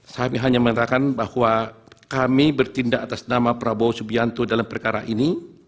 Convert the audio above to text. kami hanya mengatakan bahwa kami bertindak atas nama prabowo subianto dalam perkara ini